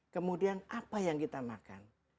kemudian apa yang kita makan